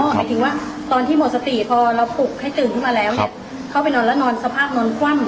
หมายถึงว่าตอนที่หมดสติพอเราปลุกให้ตื่นขึ้นมาแล้วเนี่ยเข้าไปนอนแล้วนอนสภาพนอนคว่ำ